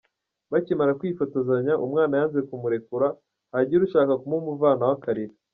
Bakimara kwifotozanya, umwana yanze kumurekura, hagira ushaka kumumuvanaho akarira.